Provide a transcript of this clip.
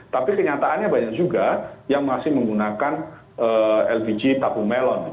tapi kenyataannya banyak juga yang masih menggunakan lpg tabung melon